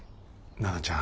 奈々ちゃん。